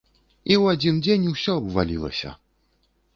І ў адзін дзень усё абвалілася!